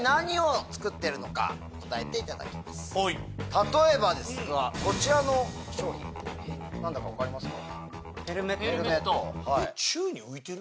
例えばですがこちらの商品何だか分かりますか？